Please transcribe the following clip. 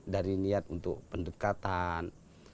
dari niat untuk pendekatan